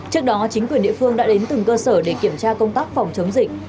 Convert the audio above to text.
trước đó chính quyền địa phương đã đến từng cơ sở để kiểm tra công tác phòng chống dịch